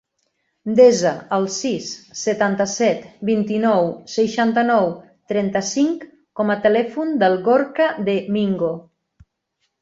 Desa el sis, setanta-set, vint-i-nou, seixanta-nou, trenta-cinc com a telèfon del Gorka De Mingo.